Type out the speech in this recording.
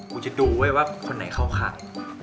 กูจะดูด้วยว่าคนไหนเข้าครั้ง